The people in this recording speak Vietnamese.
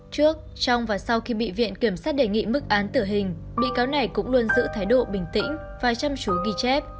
trước trong và sau khi bị viện kiểm sát đề nghị mức án tử hình bị cáo này cũng luôn giữ thái độ bình tĩnh vài trăm chúa ghi chép